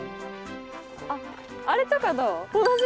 あっあれとかどう？